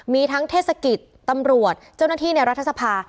มีทั้งเทศกิจตำรวจเจ้าหน้าที่ในรัฐสภา